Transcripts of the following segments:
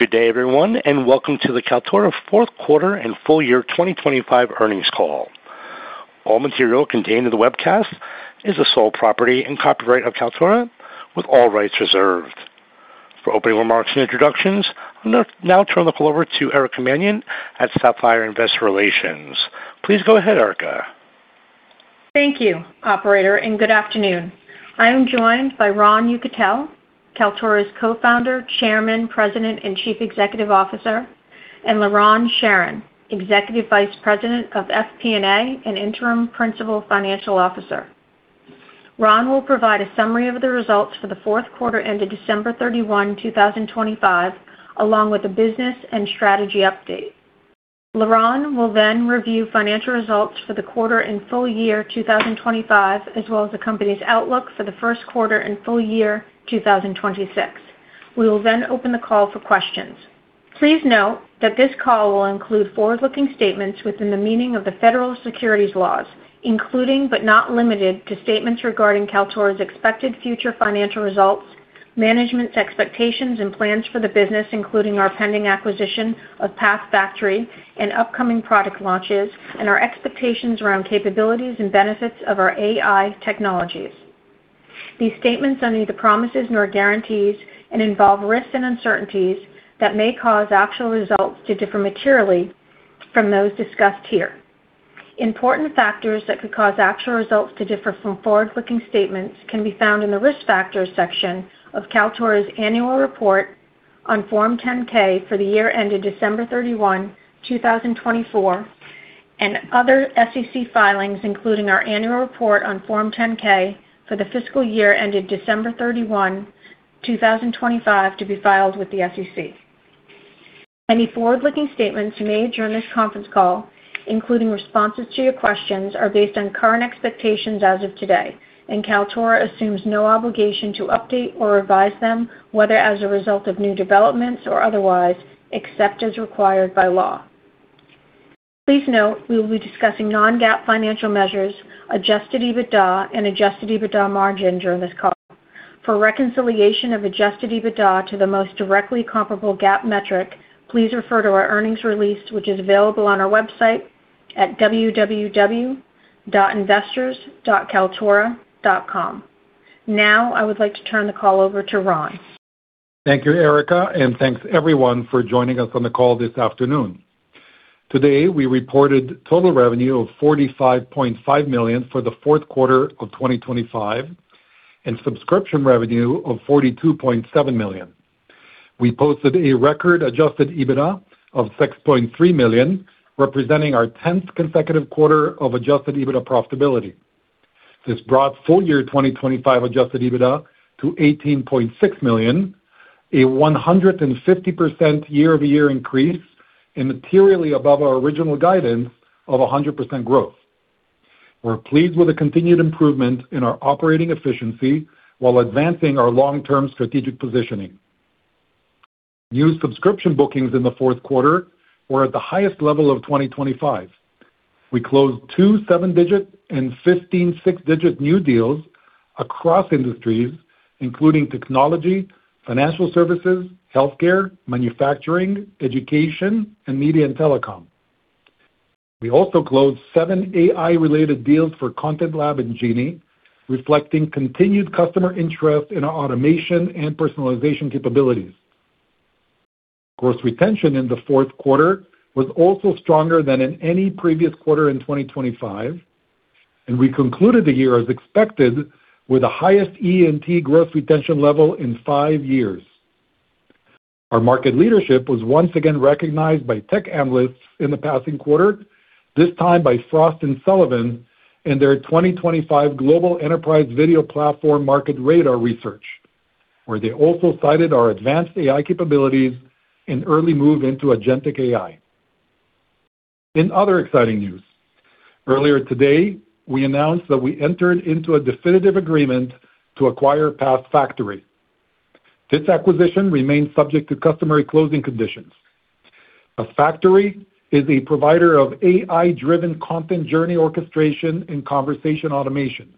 Good day, everyone, and welcome to the Kaltura fourth quarter and full year 2025 earnings call. All material contained in the webcast is the sole property and copyright of Kaltura with all rights reserved. For opening remarks and introductions, I'll now turn the call over to Erica Mannion at Sapphire Investor Relations. Please go ahead, Erica. Thank you, operator, and good afternoon. I am joined by Ron Yekutiel, Kaltura's Co-founder, Chairman, President, and Chief Executive Officer, and Liron Sharon, Executive Vice President of FP&A and Interim Principal Financial Officer. Ron will provide a summary of the results for the fourth quarter ended December 31, 2025, along with the business and strategy update. Liron will then review financial results for the quarter and full year 2025, as well as the company's outlook for the first quarter and full year 2026. We will then open the call for questions. Please note that this call will include forward-looking statements within the meaning of the federal securities laws, including, but not limited to statements regarding Kaltura's expected future financial results, management's expectations and plans for the business, including our pending acquisition of PathFactory and upcoming product launches and our expectations around capabilities and benefits of our AI technologies. These statements are neither promises nor guarantees and involve risks and uncertainties that may cause actual results to differ materially from those discussed here. Important factors that could cause actual results to differ from forward-looking statements can be found in the Risk Factors section of Kaltura's annual report on Form 10-K for the year ended December 31, 2024, and other SEC filings, including our annual report on Form 10-K for the fiscal year ended December 31, 2025, to be filed with the SEC. Any forward-looking statements made during this conference call, including responses to your questions, are based on current expectations as of today, and Kaltura assumes no obligation to update or revise them, whether as a result of new developments or otherwise, except as required by law. Please note we will be discussing non-GAAP financial measures, Adjusted EBITDA and Adjusted EBITDA margin during this call. For reconciliation of Adjusted EBITDA to the most directly comparable GAAP metric, please refer to our earnings release, which is available on our website at www.investors.kaltura.com. Now, I would like to turn the call over to Ron. Thank you, Erica, and thanks everyone for joining us on the call this afternoon. Today, we reported total revenue of $45.5 million for the fourth quarter of 2025 and subscription revenue of $42.7 million. We posted a record Adjusted EBITDA of $6.3 million, representing our tenth consecutive quarter of Adjusted EBITDA profitability. This brought full year 2025 Adjusted EBITDA to $18.6 million, a 150% year-over-year increase and materially above our original guidance of 100% growth. We're pleased with the continued improvement in our operating efficiency while advancing our long-term strategic positioning. New subscription bookings in the fourth quarter were at the highest level of 2025. We closed two seven-digit and 15 six-digit new deals across industries, including technology, financial services, healthcare, manufacturing, education, and media and telecom. We closed seven AI-related deals for Content Lab and Genie, reflecting continued customer interest in our automation and personalization capabilities. Gross retention in the fourth quarter was stronger than in any previous quarter in 2025, and we concluded the year as expected with the highest E&T gross retention level in five years. Our market leadership was once again recognized by tech analysts in the past quarter, this time by Frost & Sullivan in their 2025 Frost Radar: Enterprise Video Platforms, where they also cited our advanced AI capabilities and early move into agentic AI. In other exciting news, earlier today we announced that we entered into a definitive agreement to acquire PathFactory. This acquisition remains subject to customary closing conditions. PathFactory is a provider of AI-driven content journey orchestration and conversation automation.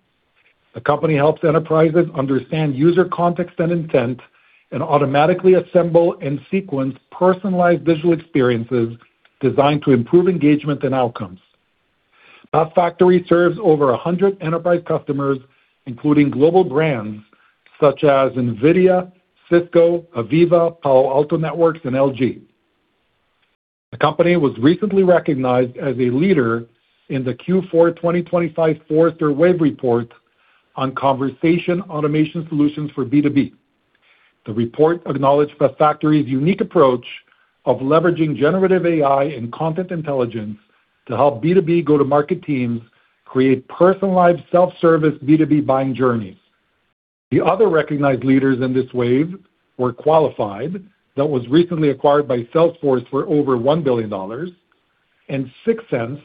The company helps enterprises understand user context and intent and automatically assemble and sequence personalized visual experiences designed to improve engagement and outcomes. PathFactory serves over 100 enterprise customers, including global brands such as NVIDIA, Cisco, AVEVA, Palo Alto Networks, and LG. The company was recently recognized as a leader in the Q4 2025 Forrester Wave: Conversation Automation Solutions for B2B. The report acknowledged PathFactory's unique approach of leveraging generative AI and content intelligence to help B2B go-to-market teams create personalized self-service B2B buying journeys. The other recognized leaders in this wave were Qualified, that was recently acquired by Salesforce for over $1 billion, and 6sense,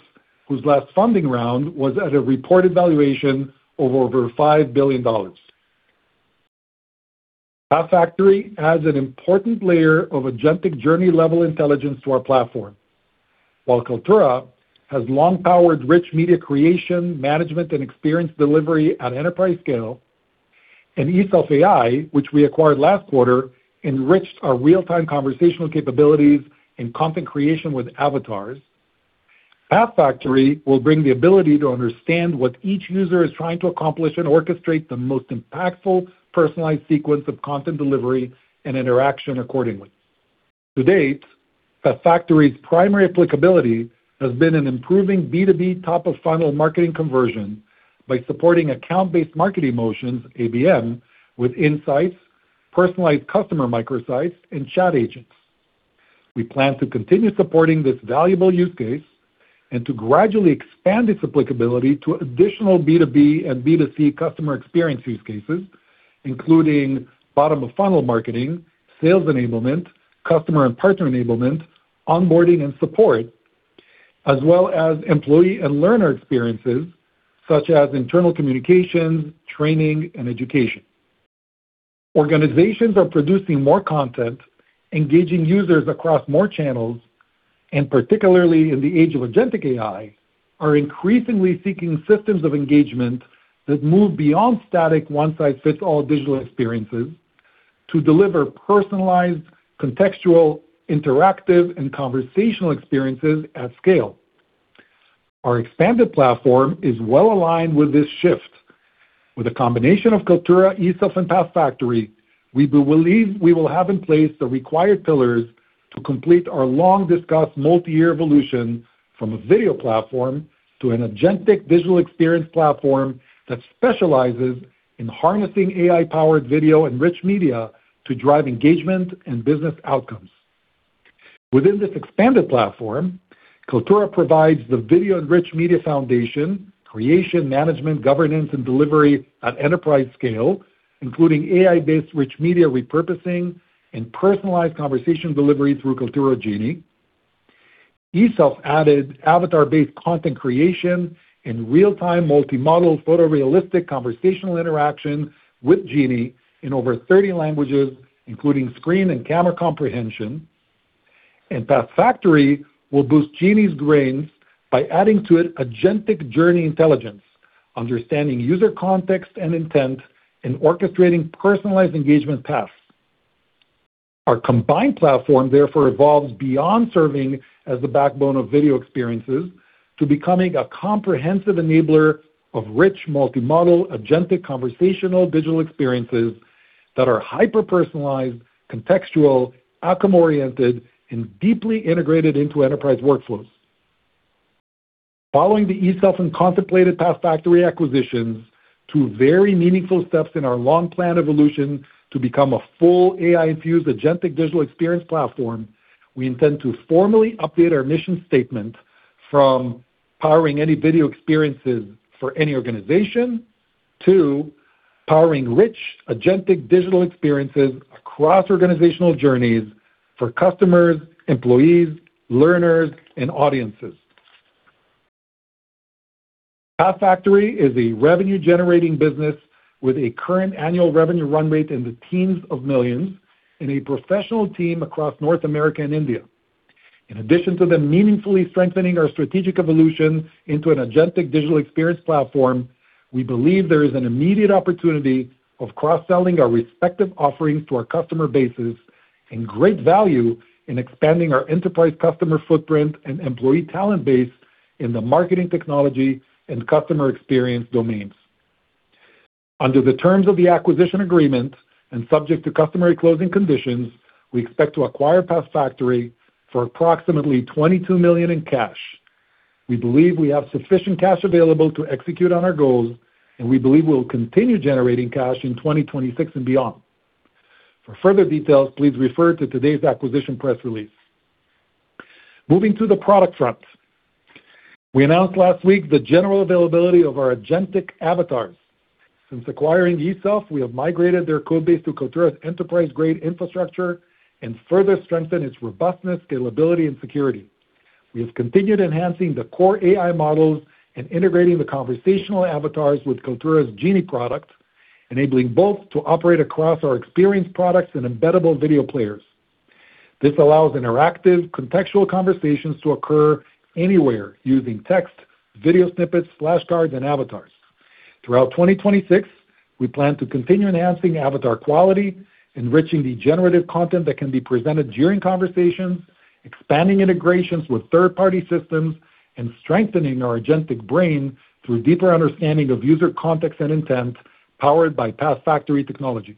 whose last funding round was at a reported valuation of over $5 billion. PathFactory adds an important layer of agentic journey-level intelligence to our platform. While Kaltura has long powered rich media creation, management, and experience delivery at enterprise scale. eSelf.ai, which we acquired last quarter, enriched our real-time conversational capabilities and content creation with avatars. PathFactory will bring the ability to understand what each user is trying to accomplish and orchestrate the most impactful, personalized sequence of content delivery and interaction accordingly. To date, PathFactory's primary applicability has been in improving B2B top-of-funnel marketing conversion by supporting account-based marketing motions, ABM, with insights, personalized customer microsites, and chat agents. We plan to continue supporting this valuable use case and to gradually expand its applicability to additional B2B and B2C customer experience use cases, including bottom-of-funnel marketing, sales enablement, customer and partner enablement, onboarding and support, as well as employee and learner experiences such as internal communications, training and education. Organizations are producing more content, engaging users across more channels, and particularly in the age of agentic AI, are increasingly seeking systems of engagement that move beyond static one-size-fits-all digital experiences to deliver personalized, contextual, interactive, and conversational experiences at scale. Our expanded platform is well aligned with this shift. With a combination of Kaltura, eSelf.ai, and PathFactory, we believe we will have in place the required pillars to complete our long-discussed multi-year evolution from a video platform to an agentic digital experience platform that specializes in harnessing AI-powered video-enriched media to drive engagement and business outcomes. Within this expanded platform, Kaltura provides the video-enriched media foundation, creation, management, governance, and delivery at enterprise scale, including AI-based rich media repurposing and personalized conversation delivery through Kaltura Genie. eSelf.ai added avatar-based content creation in real-time multimodal photorealistic conversational interaction with Genie in over 30 languages, including screen and camera comprehension. PathFactory will boost Genie's brains by adding to it agentic journey intelligence, understanding user context and intent, and orchestrating personalized engagement paths. Our combined platform therefore evolves beyond serving as the backbone of video experiences to becoming a comprehensive enabler of rich multimodal agentic conversational digital experiences that are hyper-personalized, contextual, outcome-oriented, and deeply integrated into enterprise workflows. Following the eSelf.ai and contemplated PathFactory acquisitions, two very meaningful steps in our long-planned evolution to become a full AI-infused agentic digital experience platform, we intend to formally update our mission statement from powering any video experiences for any organization to powering rich agentic digital experiences across organizational journeys for customers, employees, learners, and audiences. PathFactory is a revenue-generating business with a current annual revenue run rate in the $10s of millions and a professional team across North America and India. In addition to them meaningfully strengthening our strategic evolution into an agentic digital experience platform, we believe there is an immediate opportunity of cross-selling our respective offerings to our customer bases and great value in expanding our enterprise customer footprint and employee talent base in the marketing technology and customer experience domains. Under the terms of the acquisition agreement and subject to customary closing conditions, we expect to acquire PathFactory for approximately $22 million in cash. We believe we have sufficient cash available to execute on our goals, and we believe we'll continue generating cash in 2026 and beyond. For further details, please refer to today's acquisition press release. Moving to the product front. We announced last week the general availability of our agentic avatars. Since acquiring eSelf.ai, we have migrated their code base to Kaltura's enterprise-grade infrastructure and further strengthened its robustness, scalability, and security. We have continued enhancing the core AI models and integrating the conversational avatars with Kaltura's Genie product, enabling both to operate across our experience products and embeddable video players. This allows interactive contextual conversations to occur anywhere using text, video snippets, flashcards, and avatars. Throughout 2026, we plan to continue enhancing avatar quality, enriching the generative content that can be presented during conversations, expanding integrations with third-party systems, and strengthening our agentic brain through deeper understanding of user context and intent powered by PathFactory technology.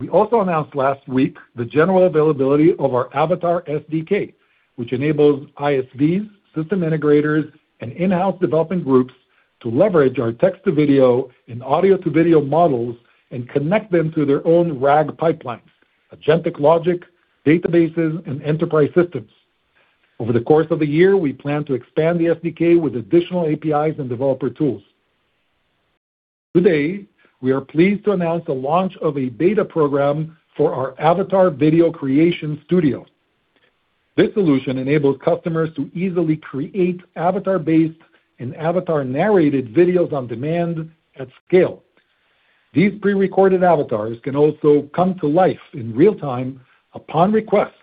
We also announced last week the general availability of our avatar SDK, which enables ISVs, system integrators, and in-house development groups to leverage our text-to-video and audio-to-video models and connect them to their own RAG pipelines, agentic logic, databases, and enterprise systems. Over the course of the year, we plan to expand the SDK with additional APIs and developer tools. Today, we are pleased to announce the launch of a beta program for our avatar video creation studio. This solution enables customers to easily create avatar-based and avatar-narrated videos on demand at scale. These pre-recorded avatars can also come to life in real time upon request.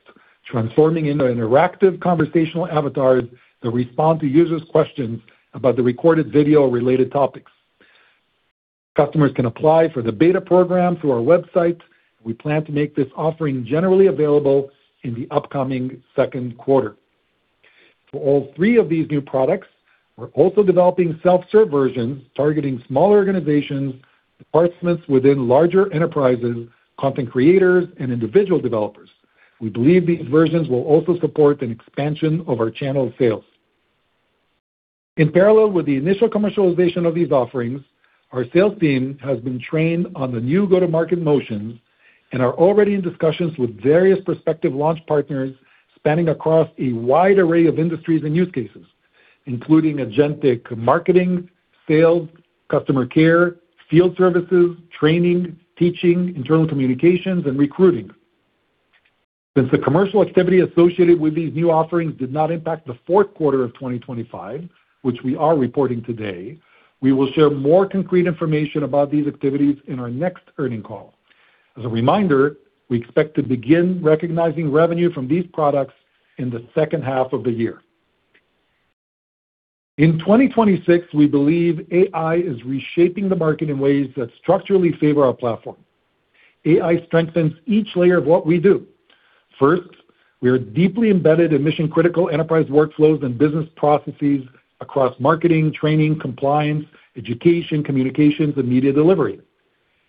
Transforming into interactive conversational avatars that respond to users' questions about the recorded video-related topics. Customers can apply for the beta program through our website. We plan to make this offering generally available in the upcoming second quarter. For all three of these new products, we're also developing self-serve versions targeting smaller organizations, departments within larger enterprises, content creators, and individual developers. We believe these versions will also support an expansion of our channel sales. In parallel with the initial commercialization of these offerings, our sales team has been trained on the new go-to-market motions and are already in discussions with various prospective launch partners spanning across a wide array of industries and use cases, including agentic marketing, sales, customer care, field services, training, teaching, internal communications, and recruiting. Since the commercial activity associated with these new offerings did not impact the fourth quarter of 2025, which we are reporting today, we will share more concrete information about these activities in our next earnings call. As a reminder, we expect to begin recognizing revenue from these products in the second half of the year. In 2026, we believe AI is reshaping the market in ways that structurally favor our platform. AI strengthens each layer of what we do. First, we are deeply embedded in mission-critical enterprise workflows and business processes across marketing, training, compliance, education, communications, and media delivery.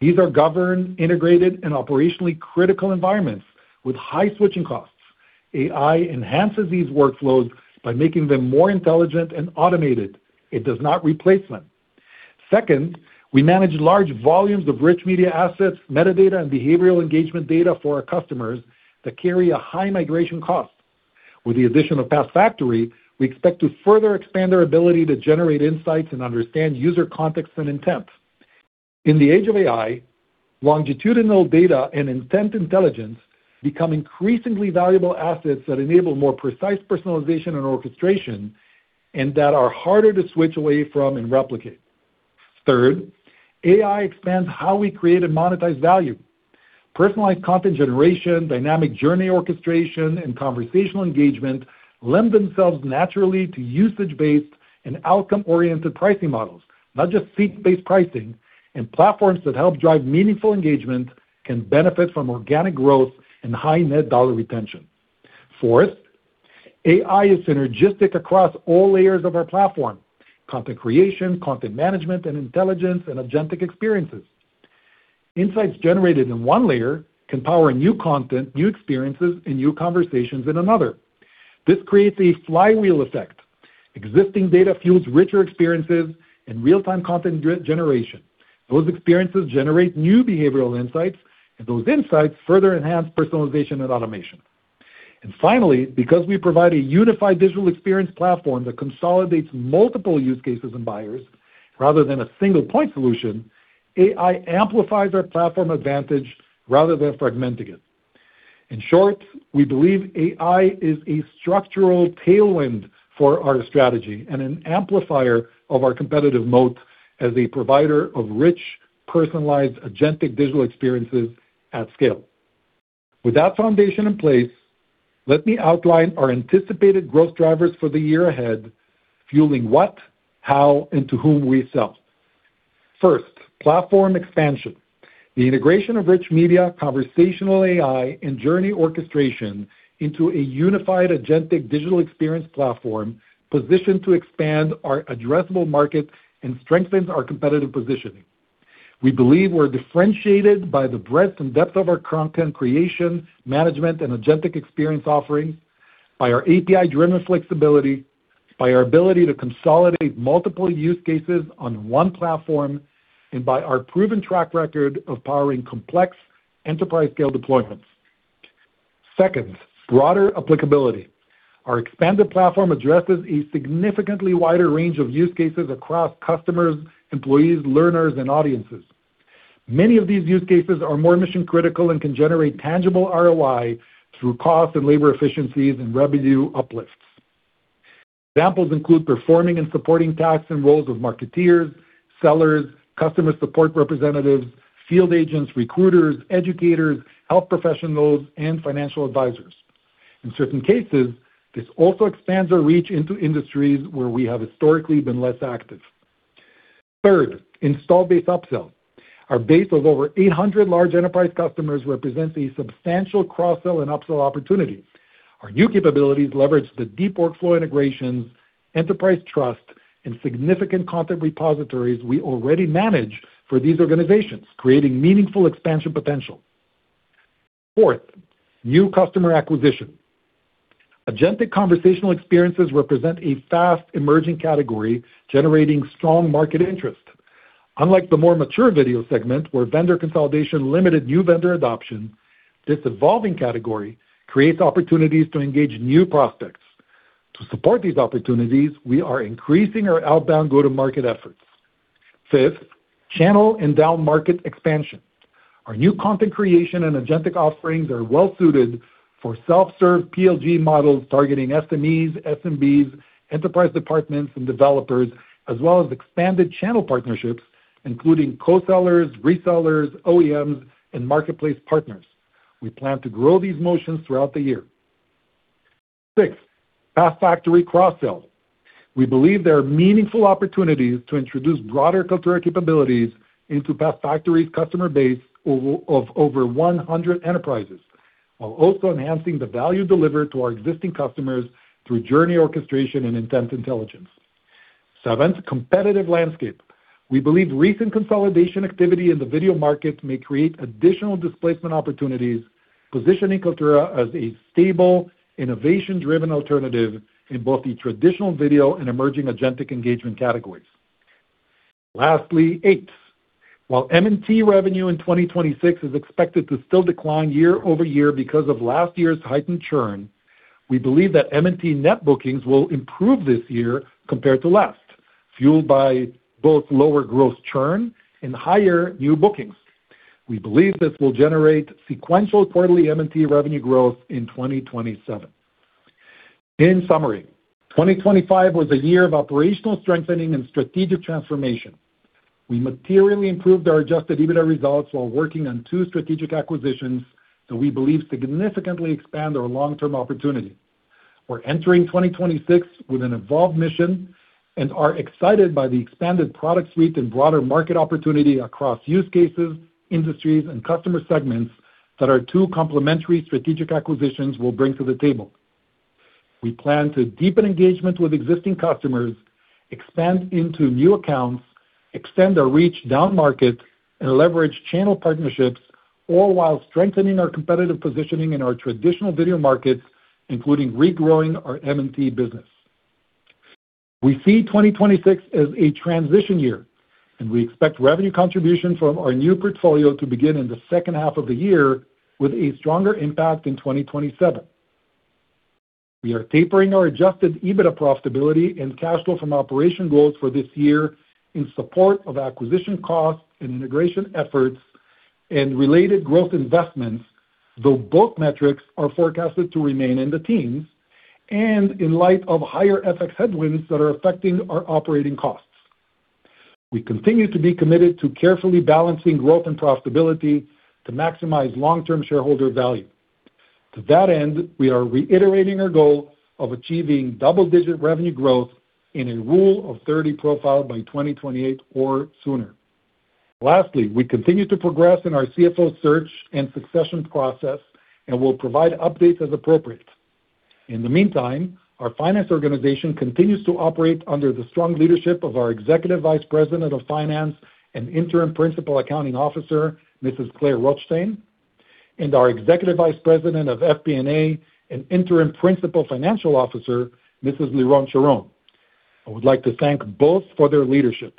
These are governed, integrated, and operationally critical environments with high switching costs. AI enhances these workflows by making them more intelligent and automated. It does not replace them. Second, we manage large volumes of rich media assets, metadata, and behavioral engagement data for our customers that carry a high migration cost. With the addition of PathFactory, we expect to further expand our ability to generate insights and understand user context and intent. In the age of AI, longitudinal data and intent intelligence become increasingly valuable assets that enable more precise personalization and orchestration and that are harder to switch away from and replicate. Third, AI expands how we create and monetize value. Personalized content generation, dynamic journey orchestration, and conversational engagement lend themselves naturally to usage-based and outcome-oriented pricing models, not just seat-based pricing, and platforms that help drive meaningful engagement can benefit from organic growth and high Net Dollar Retention. Fourth, AI is synergistic across all layers of our platform, content creation, content management and intelligence, and agentic experiences. Insights generated in one layer can power new content, new experiences, and new conversations in another. This creates a flywheel effect. Existing data fuels richer experiences and real-time content generation. Those experiences generate new behavioral insights, and those insights further enhance personalization and automation. Finally, because we provide a unified digital experience platform that consolidates multiple use cases and buyers rather than a single point solution, AI amplifies our platform advantage rather than fragmenting it. In short, we believe AI is a structural tailwind for our strategy and an amplifier of our competitive moat as a provider of rich, personalized agentic digital experiences at scale. With that foundation in place, let me outline our anticipated growth drivers for the year ahead, fueling what, how, and to whom we sell. First, platform expansion. The integration of rich media, conversational AI, and journey orchestration into a unified agentic digital experience platform positioned to expand our addressable market and strengthens our competitive positioning. We believe we're differentiated by the breadth and depth of our content creation, management, and agentic experience offerings, by our API-driven flexibility, by our ability to consolidate multiple use cases on one platform, and by our proven track record of powering complex enterprise-scale deployments. Second, broader applicability. Our expanded platform addresses a significantly wider range of use cases across customers, employees, learners, and audiences. Many of these use cases are more mission-critical and can generate tangible ROI through cost and labor efficiencies and revenue uplifts. Examples include performing and supporting tasks and roles of marketers, sellers, customer support representatives, field agents, recruiters, educators, health professionals, and financial advisors. In certain cases, this also expands our reach into industries where we have historically been less active. Third, installed base upsell. Our base of over 800 large enterprise customers represents a substantial cross-sell and upsell opportunity. Our new capabilities leverage the deep workflow integrations, enterprise trust, and significant content repositories we already manage for these organizations, creating meaningful expansion potential. Fourth, new customer acquisition. Agentic conversational experiences represent a fast-emerging category generating strong market interest. Unlike the more mature video segment, where vendor consolidation limited new vendor adoption, this evolving category creates opportunities to engage new prospects. To support these opportunities, we are increasing our outbound go-to-market efforts. Fifth, channel and down-market expansion. Our new content creation and agentic offerings are well suited for self-serve PLG models targeting SMEs, SMBs, enterprise departments and developers, as well as expanded channel partnerships, including co-sellers, resellers, OEMs, and marketplace partners. We plan to grow these motions throughout the year. Six, PathFactory cross-sell. We believe there are meaningful opportunities to introduce broader Kaltura capabilities into PathFactory's customer base of over 100 enterprises, while also enhancing the value delivered to our existing customers through journey orchestration and intent intelligence. Seventh, competitive landscape. We believe recent consolidation activity in the video market may create additional displacement opportunities, positioning Kaltura as a stable, innovation-driven alternative in both the traditional video and emerging agentic engagement categories. Lastly, 8, while M&T revenue in 2026 is expected to still decline year-over-year because of last year's heightened churn, we believe that M&T net bookings will improve this year compared to last, fueled by both lower gross churn and higher new bookings. We believe this will generate sequential quarterly M&T revenue growth in 2027. In summary, 2025 was a year of operational strengthening and strategic transformation. We materially improved our Adjusted EBITDA results while working on two strategic acquisitions that we believe significantly expand our long-term opportunity. We're entering 2026 with an evolved mission and are excited by the expanded product suite and broader market opportunity across use cases, industries, and customer segments that our two complementary strategic acquisitions will bring to the table. We plan to deepen engagement with existing customers, expand into new accounts, extend our reach down-market, and leverage channel partnerships, all while strengthening our competitive positioning in our traditional video markets, including regrowing our M&T business. We see 2026 as a transition year, and we expect revenue contribution from our new portfolio to begin in the second half of the year with a stronger impact in 2027. We are tapering our Adjusted EBITDA profitability and cash flow from operations goals for this year in support of acquisition costs and integration efforts and related growth investments, though both metrics are forecasted to remain in the teens and in light of higher FX headwinds that are affecting our operating costs. We continue to be committed to carefully balancing growth and profitability to maximize long-term shareholder value. To that end, we are reiterating our goal of achieving double-digit revenue growth in a rule of thirty profile by 2028 or sooner. Lastly, we continue to progress in our CFO search and succession process and will provide updates as appropriate. In the meantime, our finance organization continues to operate under the strong leadership of our Executive Vice President of Finance and Interim Principal Accounting Officer, Mrs. Claire Rothstein, and our Executive Vice President of FP&A and Interim Principal Financial Officer, Mrs. Liron Sharon. I would like to thank both for their leadership.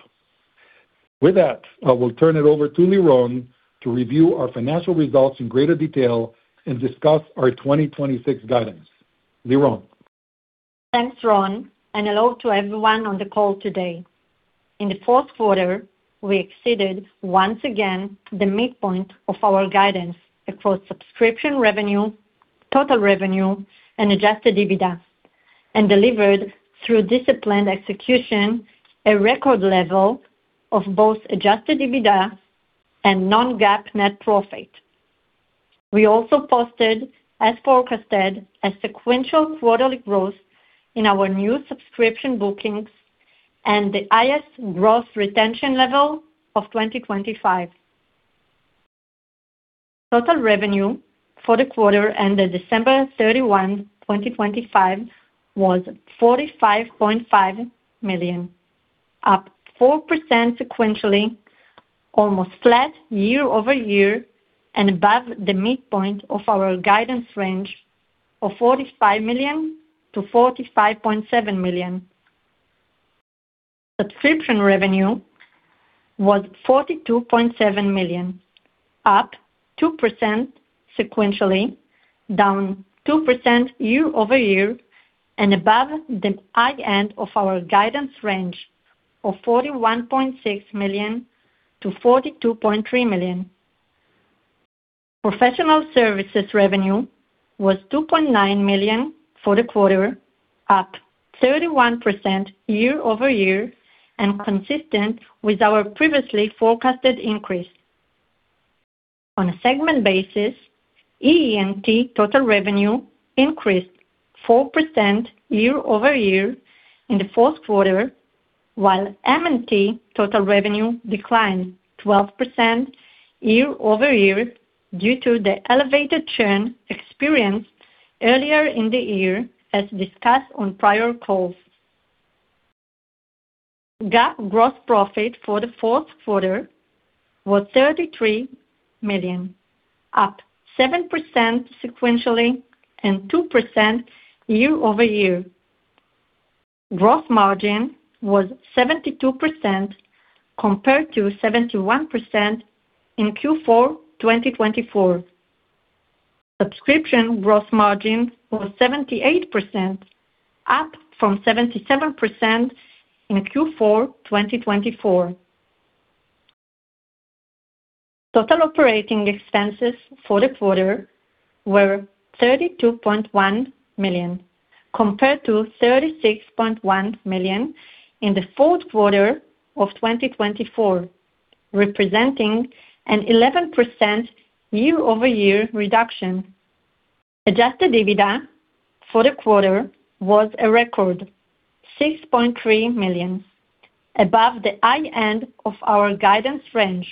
With that, I will turn it over to Liron to review our financial results in greater detail and discuss our 2026 guidance. Liron. Thanks, Ron, and hello to everyone on the call today. In the fourth quarter, we exceeded once again the midpoint of our guidance across subscription revenue, total revenue, and Adjusted EBITDA, and delivered, through disciplined execution, a record level of both Adjusted EBITDA and non-GAAP net profit. We also posted, as forecasted, a sequential quarterly growth in our new subscription bookings and the highest growth retention level of 2025. Total revenue for the quarter ended December 31, 2025 was $45.5 million, up 4% sequentially, almost flat year-over-year, and above the midpoint of our guidance range of $45 million-$45.7 million. Subscription revenue was $42.7 million, up 2% sequentially, down 2% year-over-year, and above the high end of our guidance range of $41.6 million-$42.3 million. Professional services revenue was $2.9 million for the quarter, up 31% year-over-year and consistent with our previously forecasted increase. On a segment basis, EE&T total revenue increased 4% year-over-year in the fourth quarter, while M&T total revenue declined 12% year-over-year due to the elevated churn experienced earlier in the year, as discussed on prior calls. GAAP gross profit for the fourth quarter was $33 million, up 7% sequentially and 2% year-over-year. Gross margin was 72% compared to 71% in Q4 2024. Subscription gross margin was 78%, up from 77% in Q4 2024. Total operating expenses for the quarter were $32.1 million, compared to $36.1 million in the fourth quarter of 2024, representing an 11% year-over-year reduction. Adjusted EBITDA for the quarter was a record $6.3 million, above the high end of our guidance range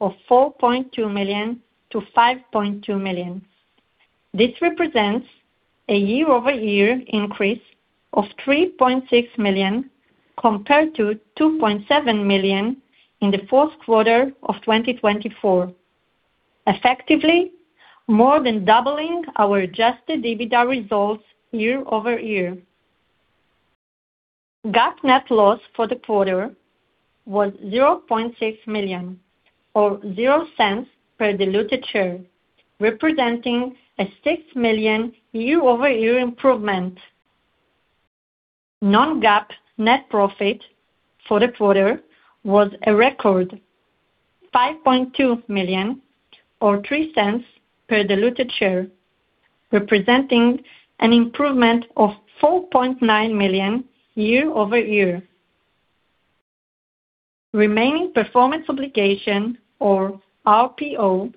of $4.2 million-$5.2 million. This represents a year-over-year increase of $3.6 million compared to $2.7 million in the fourth quarter of 2024, effectively more than doubling our Adjusted EBITDA results year-over-year. GAAP net loss for the quarter was $0.6 million, or $0.00 per diluted share, representing a $6 million year-over-year improvement. Non-GAAP net profit for the quarter was a record $5.2 million, or $0.03 per diluted share, representing an improvement of $4.9 million year-over-year. Remaining performance obligation or RPO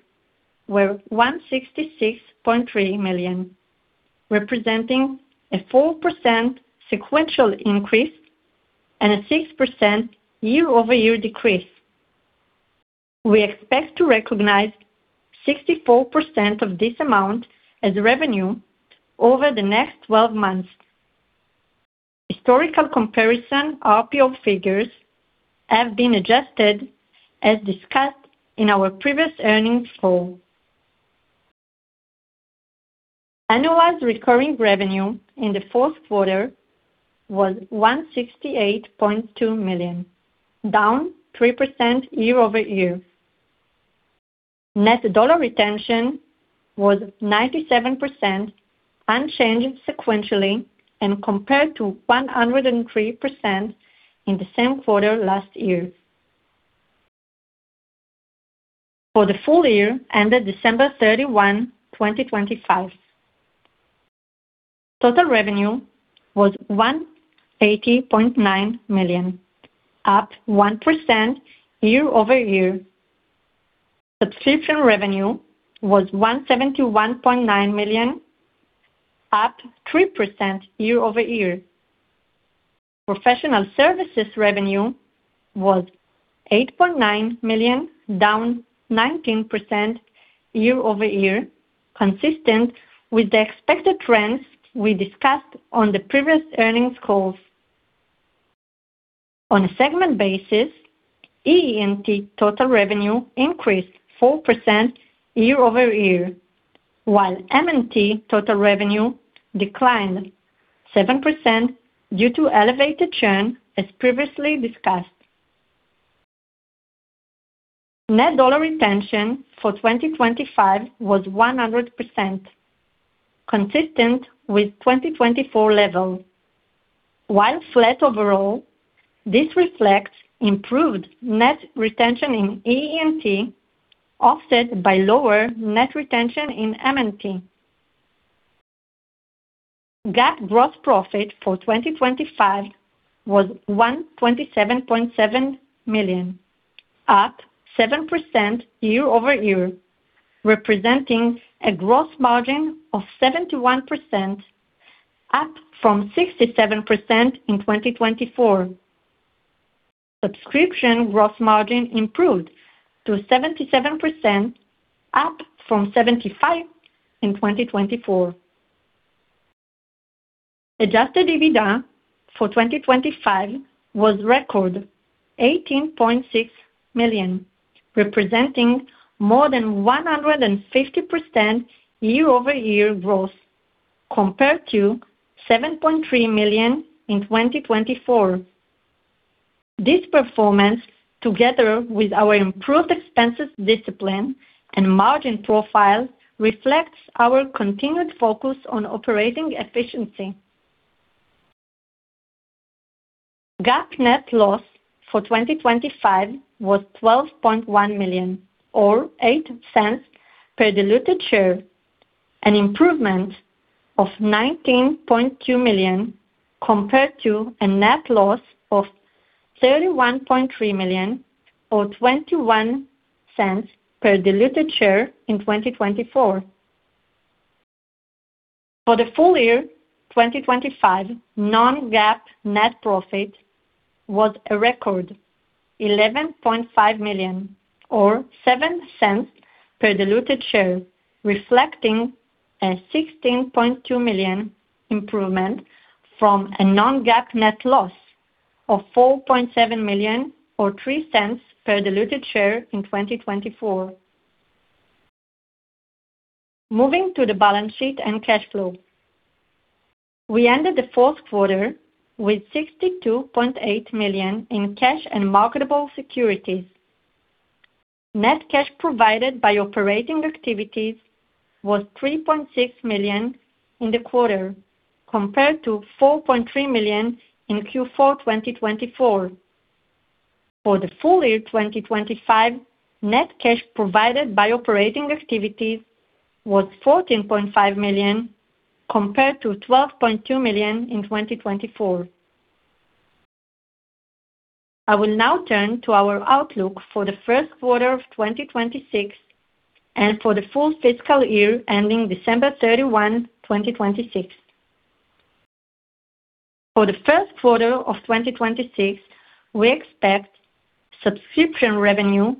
was $166.3 million, representing a 4% sequential increase and a 6% year-over-year decrease. We expect to recognize 64% of this amount as revenue over the next 12 months. Historical comparison RPO figures have been adjusted as discussed in our previous earnings call. Annualized recurring revenue in the fourth quarter was $168.2 million, down 3% year-over-year. Net Dollar Retention was 97%, unchanged sequentially, and compared to 103% in the same quarter last year. For the full year ended December 31, 2025, total revenue was $180.9 million, up 1% year-over-year. Subscription revenue was $171.9 million, up 3% year-over-year. Professional services revenue was $8.9 million, down 19% year-over-year, consistent with the expected trends we discussed on the previous earnings calls. On a segment basis, EE&T total revenue increased 4% year-over-year, while M&T total revenue declined 7% due to elevated churn, as previously discussed. Net dollar retention for 2025 was 100%, consistent with 2024 levels. While flat overall, this reflects improved net retention in EE&T, offset by lower net retention in M&T. GAAP gross profit for 2025 was $127.7 million, up 7% year-over-year, representing a gross margin of 71%, up from 67% in 2024. Subscription gross margin improved to 77%, up from 75% in 2024. Adjusted EBITDA for 2025 was record $18.6 million, representing more than 150% year-over-year growth compared to $7.3 million in 2024. This performance, together with our improved expenses discipline and margin profile, reflects our continued focus on operating efficiency. GAAP net loss for 2025 was $12.1 million, or $0.08 per diluted share, an improvement of $19.2 million compared to a net loss of $31.3 million, or $0.21 per diluted share in 2024. For the full year 2025, non-GAAP net profit was a record $11.5 million, or $0.07 per diluted share, reflecting a $16.2 million improvement from a non-GAAP net loss of $4.7 million, or $0.03 per diluted share in 2024. Moving to the balance sheet and cash flow. We ended the fourth quarter with $62.8 million in cash and marketable securities. Net cash provided by operating activities was $3.6 million in the quarter compared to $4.3 million in Q4 2024. For the full year 2025, net cash provided by operating activities was $14.5 million compared to $12.2 million in 2024. I will now turn to our outlook for the first quarter of 2026 and for the full fiscal year ending December 31, 2026. For the first quarter of 2026, we expect subscription revenue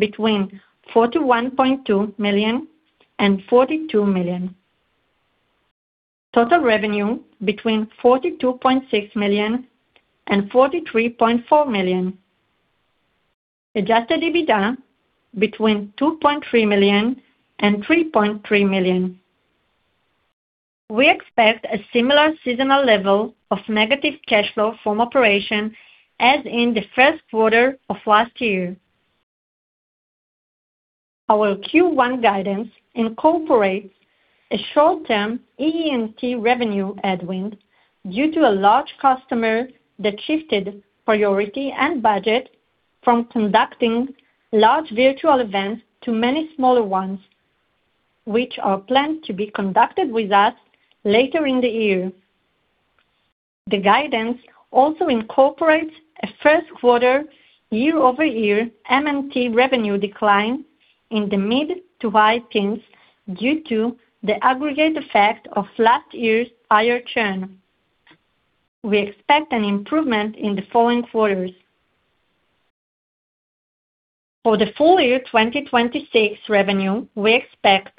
between $41.2 million and $42 million. Total revenue between $42.6 million and $43.4 million. Adjusted EBITDA between $2.3 million and $3.3 million. We expect a similar seasonal level of negative cash flow from operations as in the first quarter of last year. Our Q1 guidance incorporates a short-term EE&T revenue headwind due to a large customer that shifted priority and budget from conducting large virtual events to many smaller ones, which are planned to be conducted with us later in the year. The guidance also incorporates a first-quarter year-over-year M&T revenue decline in the mid- to high teens% due to the aggregate effect of last year's higher churn. We expect an improvement in the following quarters. For the full year 2026 revenue, we expect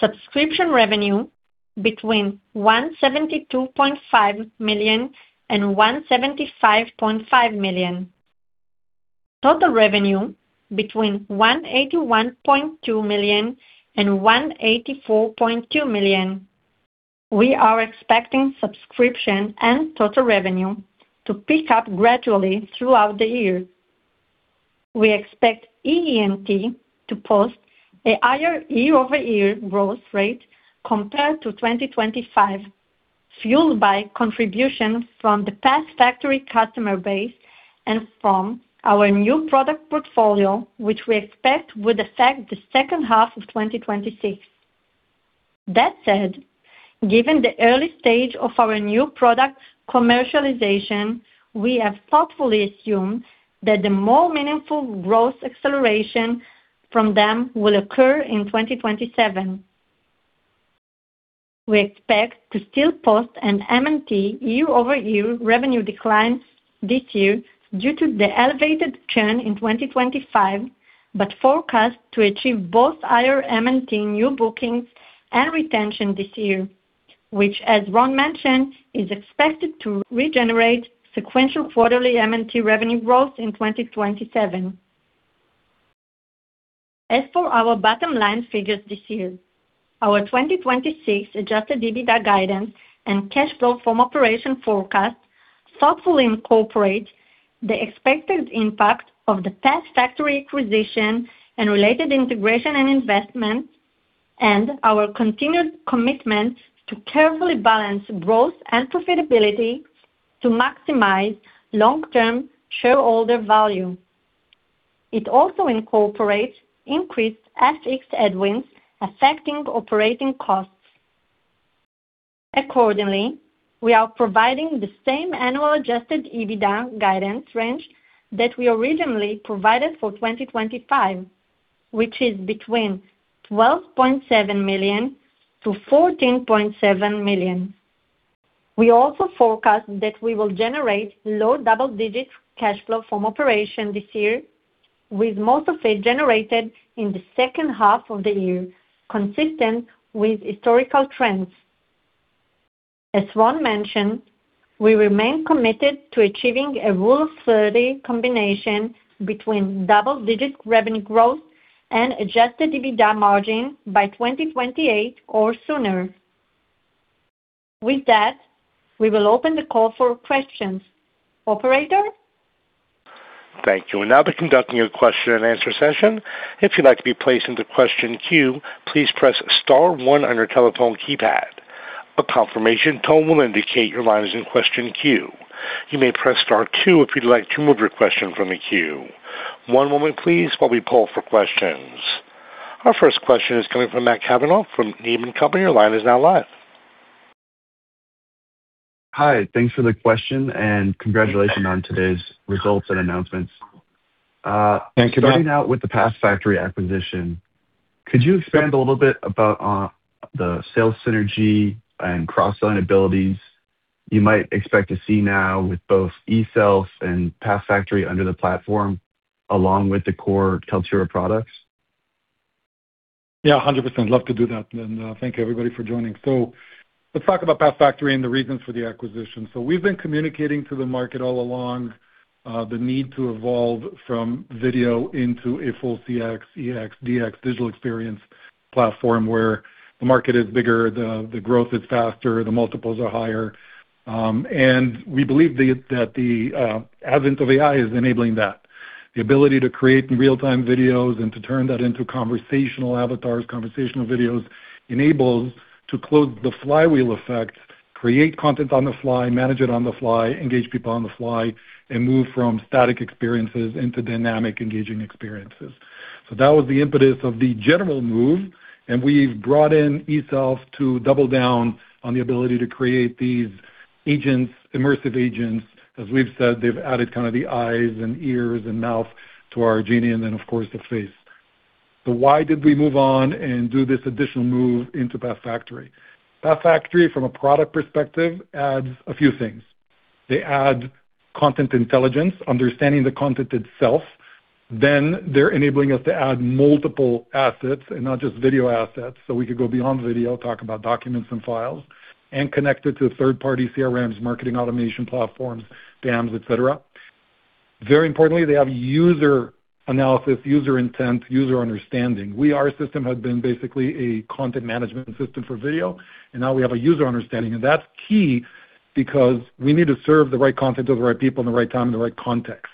subscription revenue between $172.5 million and $175.5 million. Total revenue between $181.2 million and $184.2 million. We are expecting subscription and total revenue to pick up gradually throughout the year. We expect EE&T to post a higher year-over-year growth rate compared to 2025, fueled by contribution from the PathFactory customer base and from our new product portfolio, which we expect would affect the second half of 2026. That said, given the early stage of our new product commercialization, we have thoughtfully assumed that the more meaningful growth acceleration from them will occur in 2027. We expect to still post an M&T year-over-year revenue decline this year due to the elevated churn in 2025, but forecast to achieve both higher M&T new bookings and retention this year, which as Ron mentioned, is expected to regenerate sequential quarterly M&T revenue growth in 2027. As for our bottom line figures this year, our 2026 Adjusted EBITDA guidance and cash flow from operations forecast thoughtfully incorporate the expected impact of the PathFactory acquisition and related integration and investment, and our continued commitment to carefully balance growth and profitability to maximize long-term shareholder value. It also incorporates increased FX headwinds affecting operating costs. Accordingly, we are providing the same annual Adjusted EBITDA guidance range that we originally provided for 2025, which is between $12.7 million-$14.7 million. We also forecast that we will generate low double-digit cash flow from operations this year, with most of it generated in the second half of the year, consistent with historical trends. As Ron mentioned, we remain committed to achieving a rule of thirty combination between double-digit revenue growth and Adjusted EBITDA margin by 2028 or sooner. With that, we will open the call for questions. Operator? Thank you. We'll now be conducting a question and answer session. If you'd like to be placed into question queue, please press star one on your telephone keypad. A confirmation tone will indicate your line is in question queue. You may press star two if you'd like to remove your question from the queue. One moment please while we poll for questions. Our first question is coming from Matt Cavanagh from Needham & Company. Your line is now live. Hi. Thanks for the question, and congratulations on today's results and announcements. Thank you, Matt. Starting out with the PathFactory acquisition, could you expand a little bit about the sales synergy and cross-selling abilities you might expect to see now with both eSelf.ai and PathFactory under the platform along with the core Kaltura products? Yeah, 100%. Love to do that. Thank you, everybody, for joining. Let's talk about PathFactory and the reasons for the acquisition. We've been communicating to the market all along, the need to evolve from video into a full CX, EX, DX digital experience platform, where the market is bigger, the growth is faster, the multiples are higher. We believe the advent of AI is enabling that. The ability to create real-time videos and to turn that into conversational avatars, conversational videos enables to close the flywheel effect. Create content on the fly, manage it on the fly, engage people on the fly, and move from static experiences into dynamic, engaging experiences. That was the impetus of the general move, and we've brought in eSelf.ai to double down on the ability to create these agents, immersive agents. As we've said, they've added kind of the eyes and ears and mouth to our Genie, and then of course, the face. Why did we move on and do this additional move into PathFactory? PathFactory from a product perspective, adds a few things. They add content intelligence, understanding the content itself. They're enabling us to add multiple assets, and not just video assets. We could go beyond video, talk about documents and files, and connect it to third party CRMs, marketing automation platforms, DAMs, etc. Very importantly, they have user analysis, user intent, user understanding. Our system had been basically a content management system for video, and now we have a user understanding. That's key because we need to serve the right content to the right people in the right time, in the right context.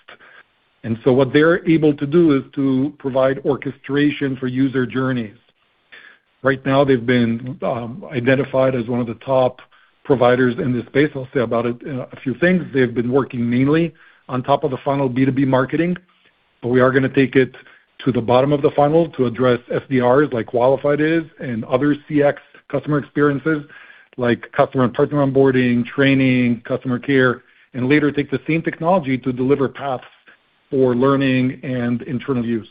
What they're able to do is to provide orchestration for user journeys. Right now they've been identified as one of the top providers in this space. I'll say about a few things. They've been working mainly on top of the funnel B2B marketing, but we are gonna take it to the bottom of the funnel to address SDRs like Qualified is and other CX customer experiences like customer and partner onboarding, training, customer care, and later take the same technology to deliver paths for learning and internal use.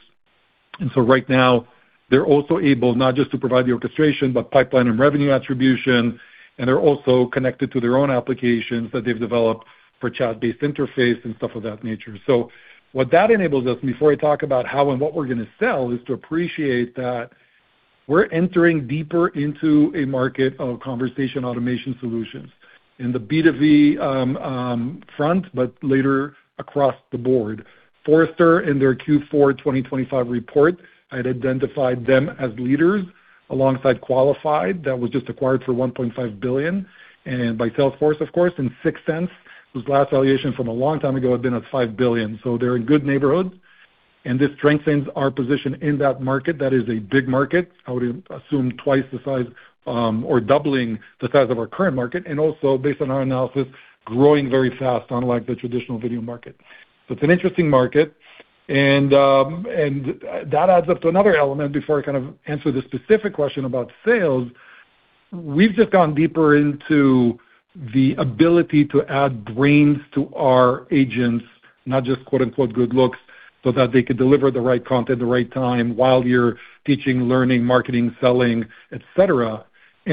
Right now they're also able not just to provide the orchestration, but pipeline and revenue attribution. They're also connected to their own applications that they've developed for chat-based interface and stuff of that nature. What that enables us, before I talk about how and what we're gonna sell, is to appreciate that we're entering deeper into a market of conversation automation solutions. In the B2B front, but later across the board. Forrester in their Q4 2025 report had identified them as leaders alongside Qualified. That was just acquired for $1.5 billion by Salesforce, of course, in 6sense, whose last valuation from a long time ago had been at $5 billion. They're in good neighborhood, and this strengthens our position in that market. That is a big market. I would assume twice the size or doubling the size of our current market, and also based on our analysis, growing very fast unlike the traditional video market. It's an interesting market. that adds up to another element before I kind of answer the specific question about sales. We've just gone deeper into the ability to add brains to our agents, not just quote unquote good looks, so that they could deliver the right content at the right time while you're teaching, learning, marketing, selling, etc.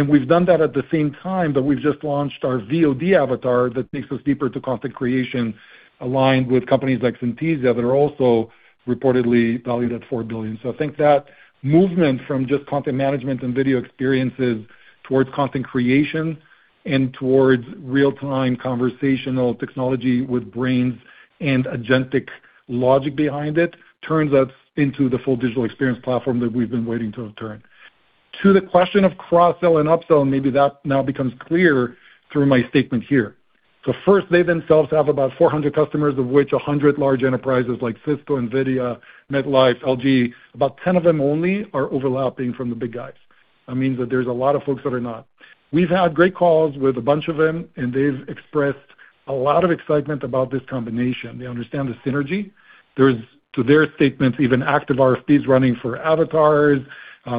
We've done that at the same time that we've just launched our VOD avatar that takes us deeper to content creation aligned with companies like Synthesia that are also reportedly valued at $4 billion. I think that movement from just content management and video experiences towards content creation and towards real-time conversational technology with brains and agentic logic behind it turns us into the full digital experience platform that we've been waiting to turn. To the question of cross-sell and up-sell, maybe that now becomes clear through my statement here. First, they themselves have about 400 customers, of which 100 large enterprises like Cisco, NVIDIA, MetLife, LG. About 10 of them only are overlapping from the big guys. That means that there's a lot of folks that are not. We've had great calls with a bunch of them, and they've expressed a lot of excitement about this combination. They understand the synergy. There's to their statements even active RFPs running for avatars.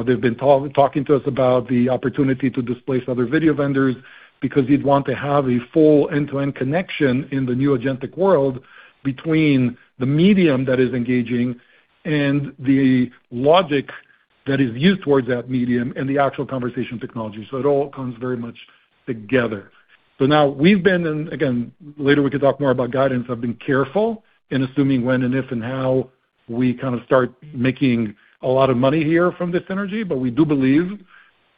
They've been talking to us about the opportunity to displace other video vendors because you'd want to have a full end-to-end connection in the new agentic world between the medium that is engaging and the logic that is used towards that medium and the actual conversation technology. It all comes very much together. Later we could talk more about guidance. I've been careful in assuming when and if and how we kind of start making a lot of money here from this entity. We do believe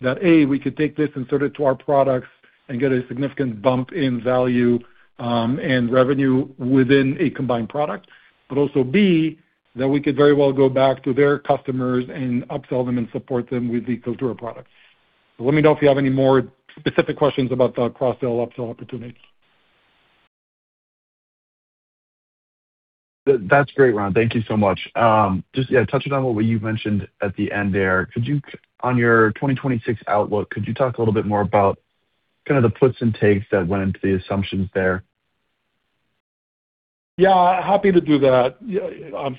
that A, we could take this and sort it to our products and get a significant bump in value, and revenue within a combined product. Also B, that we could very well go back to their customers and upsell them and support them with the Kaltura product. Let me know if you have any more specific questions about the cross-sell, upsell opportunities. That's great, Ron. Thank you so much. Just, yeah, touching on what you mentioned at the end there. Could you, on your 2026 outlook, talk a little bit more about kind of the puts and takes that went into the assumptions there? Yeah, happy to do that.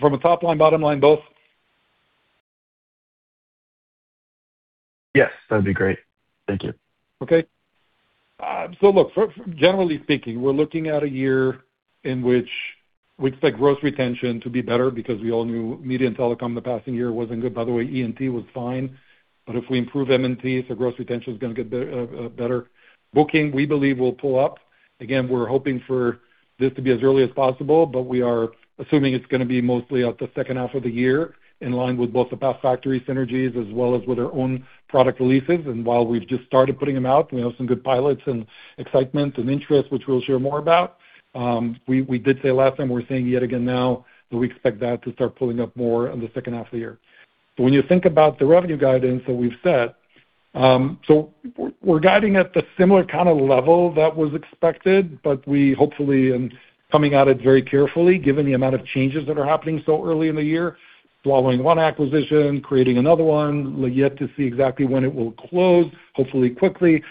From a top line, bottom line, both? Yes, that'd be great. Thank you. Okay. Look, generally speaking, we're looking at a year in which we expect gross retention to be better because we all knew media and telecom the past year wasn't good. By the way, E&T was fine. If we improve M&T, gross retention is gonna get better. Booking, we believe, will pull up. Again, we're hoping for this to be as early as possible, but we are assuming it's gonna be mostly at the second half of the year, in line with both the PathFactory synergies as well as with our own product releases. While we've just started putting them out, we have some good pilots and excitement and interest, which we'll share more about. We did say last time, we're saying yet again now that we expect that to start pulling up more in the second half of the year. When you think about the revenue guidance that we've set, we're guiding at the similar kinda level that was expected, but we hopefully am coming at it very carefully given the amount of changes that are happening so early in the year, swallowing one acquisition, creating another one. We're yet to see exactly when it will close, hopefully quickly.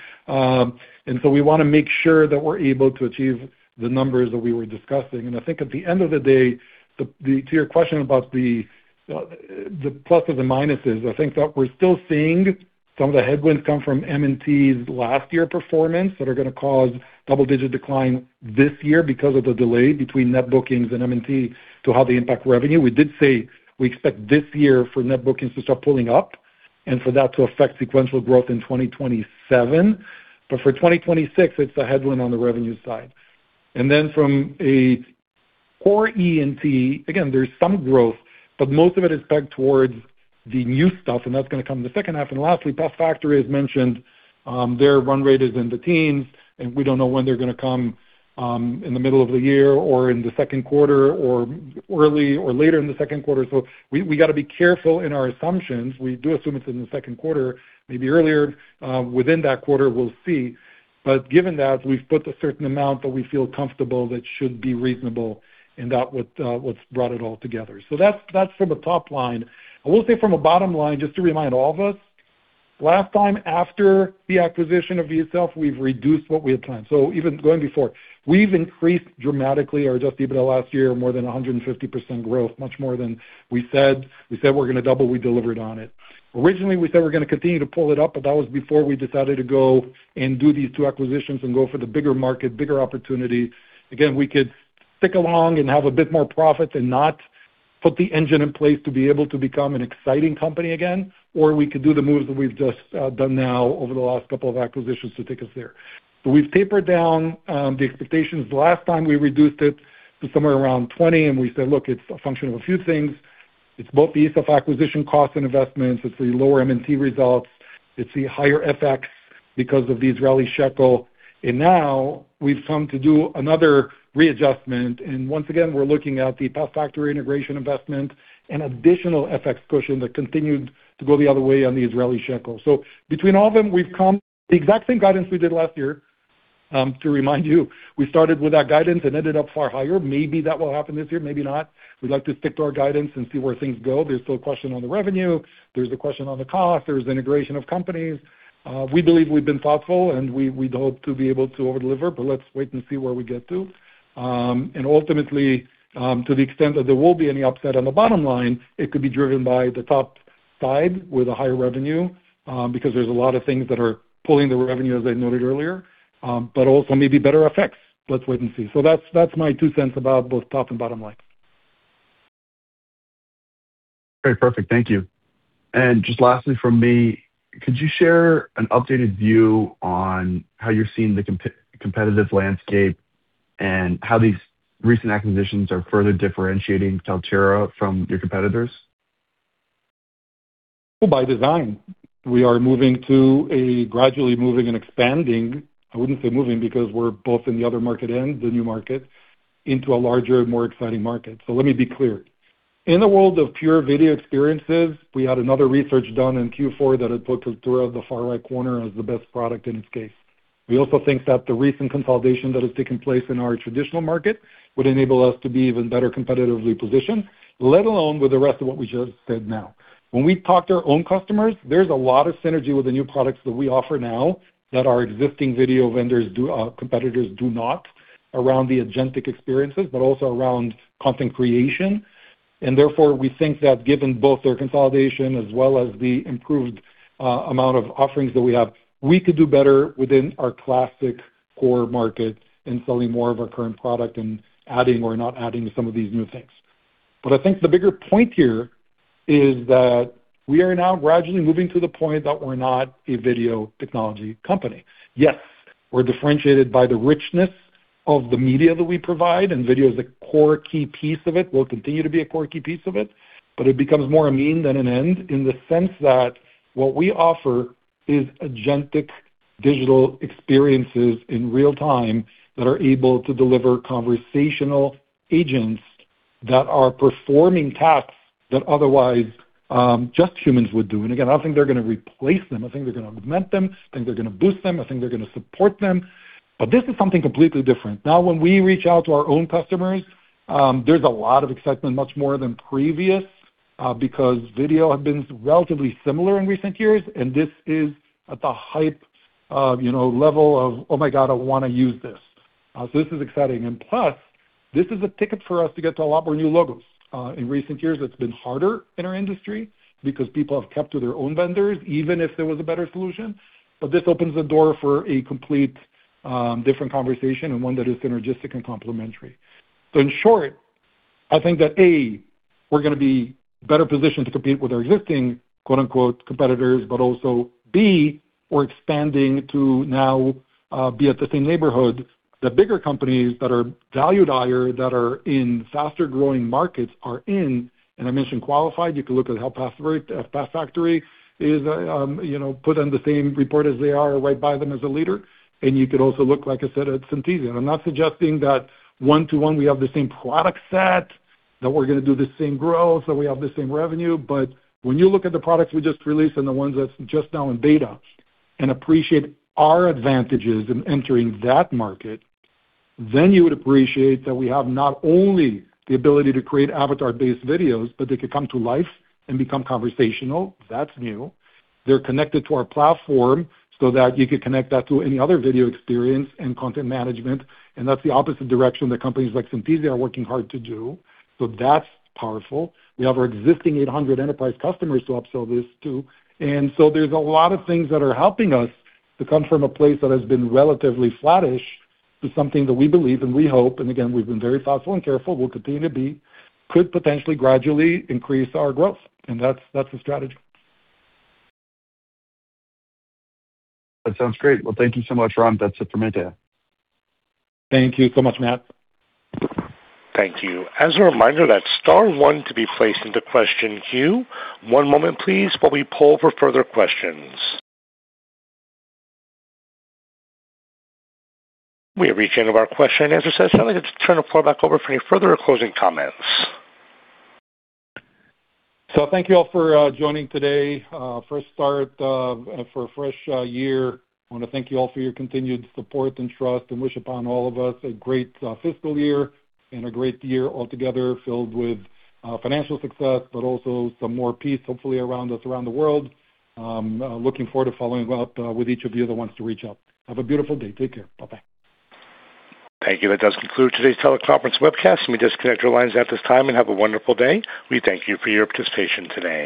We wanna make sure that we're able to achieve the numbers that we were discussing. I think at the end of the day, to your question about the pluses and minuses, I think that we're still seeing some of the headwinds come from M&T's last year performance that are gonna cause double-digit decline this year because of the delay between net bookings and M&T to how they impact revenue. We did say we expect this year for net bookings to start pulling up and for that to affect sequential growth in 2027. For 2026, it's a headwind on the revenue side. From a core ENT, again, there's some growth, but most of it is pegged towards the new stuff, and that's gonna come in the second half. Lastly, PathFactory has mentioned their run rate is in the teens, and we don't know when they're gonna come in the middle of the year or in the second quarter or early or later in the second quarter. We gotta be careful in our assumptions. We do assume it's in the second quarter, maybe earlier within that quarter, we'll see. Given that, we've put a certain amount that we feel comfortable that should be reasonable and that what's brought it all together. That's from a top line. I will say from a bottom line, just to remind all of us, last time after the acquisition of eSelf.ai, we've reduced what we had planned. Even going before. We've increased dramatically our Adjusted EBITDA last year, more than 150% growth, much more than we said. We said we're gonna double, we delivered on it. Originally, we said we're gonna continue to pull it up, but that was before we decided to go and do these two acquisitions and go for the bigger market, bigger opportunity. Again, we could stick along and have a bit more profit and not put the engine in place to be able to become an exciting company again. We could do the moves that we've just done now over the last couple of acquisitions to take us there. We've tapered down the expectations. The last time we reduced it to somewhere around 20, and we said, "Look, it's a function of a few things. It's both the eSelf.ai acquisition costs and investments. It's the lower M&T results. It's the higher FX because of the Israeli shekel." Now we've come to do another readjustment, and once again, we're looking at the PathFactory integration investment and additional FX cushion that continued to go the other way on the Israeli shekel. Between all of them, we've come the exact same guidance we did last year, to remind you. We started with that guidance and ended up far higher. Maybe that will happen this year, maybe not. We'd like to stick to our guidance and see where things go. There's still a question on the revenue. There's a question on the cost. There's integration of companies. We believe we've been thoughtful, and we'd hope to be able to over-deliver, but let's wait and see where we get to. Ultimately, to the extent that there will be any upset on the bottom line, it could be driven by the top side with a higher revenue, because there's a lot of things that are pulling the revenue, as I noted earlier, but also maybe better FX. Let's wait and see. That's my two cents about both top and bottom line. Okay, perfect. Thank you. Just lastly from me, could you share an updated view on how you're seeing the competitive landscape and how these recent acquisitions are further differentiating Kaltura from your competitors? By design, we are moving to a gradually moving and expanding, I wouldn't say moving because we're both in the other market and the new market, into a larger and more exciting market. Let me be clear. In the world of pure video experiences, we had another research done in Q4 that had put Kaltura at the far right corner as the best product in its class. We also think that the recent consolidation that has taken place in our traditional market would enable us to be even better competitively positioned, let alone with the rest of what we just said now. When we talk to our own customers, there's a lot of synergy with the new products that we offer now that our existing video competitors do not around the agentic experiences, but also around content creation. Therefore, we think that given both their consolidation as well as the improved amount of offerings that we have, we could do better within our classic core market in selling more of our current product and adding or not adding some of these new things. I think the bigger point here is that we are now gradually moving to the point that we're not a video technology company. Yes, we're differentiated by the richness of the media that we provide, and video is a core key piece of it, will continue to be a core key piece of it, but it becomes more a means than an end in the sense that what we offer is agentic digital experiences in real time that are able to deliver conversational agents that are performing tasks that otherwise, just humans would do. Again, I don't think they're gonna replace them. I think they're gonna augment them. I think they're gonna boost them. I think they're gonna support them. This is something completely different. Now, when we reach out to our own customers, there's a lot of excitement, much more than previous, because video have been relatively similar in recent years, and this is at the hype, you know, level of, "Oh my God, I wanna use this." This is exciting. Plus, this is a ticket for us to get to a lot more new logos. In recent years, it's been harder in our industry because people have kept to their own vendors, even if there was a better solution. This opens the door for a complete, different conversation and one that is synergistic and complementary. In short, I think that, A, we're gonna be better positioned to compete with our existing, quote-unquote, "competitors," but also, B, we're expanding to now be at the same neighborhood. The bigger companies that are valued higher, that are in faster-growing markets are in. I mentioned Qualified. You can look at how PathFactory is put on the same report as they are right by them as a leader. You could also look, like I said, at Synthesia. I'm not suggesting that one-to-one we have the same product set, that we're gonna do the same growth, that we have the same revenue, but when you look at the products we just released and the ones that's just now in beta and appreciate our advantages in entering that market, then you would appreciate that we have not only the ability to create avatar-based videos, but they could come to life and become conversational. That's new. They're connected to our platform so that you could connect that to any other video experience and content management, and that's the opposite direction that companies like Synthesia are working hard to do. That's powerful. We have our existing 800 enterprise customers to upsell this to. There's a lot of things that are helping us to come from a place that has been relatively flattish to something that we believe and we hope, and again, we've been very thoughtful and careful, we'll continue to be, could potentially gradually increase our growth. That's the strategy. That sounds great. Well, thank you so much, Ron. That's it for me today. Thank you so much, Matt. Thank you. As a reminder, that's star one to be placed into question queue. One moment, please, while we poll for further questions. We have reached the end of our question-and-answer session. I'd like to turn the floor back over for any further closing comments. Thank you all for joining today. Fresh start for a fresh year. I wanna thank you all for your continued support and trust and wish upon all of us a great fiscal year and a great year altogether filled with financial success, but also some more peace, hopefully around us around the world. Looking forward to following up with each of you that wants to reach out. Have a beautiful day. Take care. Bye-bye. Thank you. That does conclude today's teleconference webcast. You may disconnect your lines at this time and have a wonderful day. We thank you for your participation today.